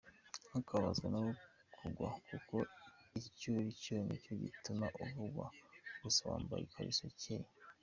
Ntukababazwe no kuvugwa kuko icyuricyo nicyo gituma uvugwa gusa wambaye ikariso icyeye.